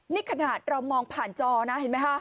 นี่ขนาดเรามองผ่านจอนะเห็นไหมคะ